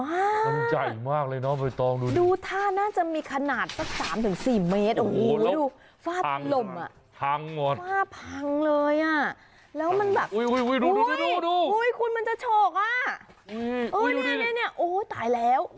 โอ้โหใหญ่มากดูท่าน่าจะมีขนาดสัก๓๔เมตรโอ้โหดูฝ้าพังเลยแล้วมันแบบดูคุณมันจะโฉกโอ้โหตายแล้ว